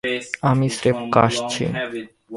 আমরা স্রেফ কাশছি।